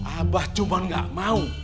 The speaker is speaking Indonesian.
abah cuma gak mau